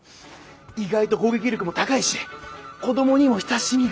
意外と攻撃力も高いし子どもにも親しみがある。